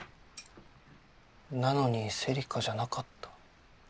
なのに芹香じゃなかった。